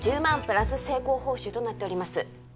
プラス成功報酬となっております